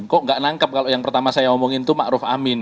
kok nggak nangkep kalau yang pertama saya omongin itu ⁇ maruf ⁇ amin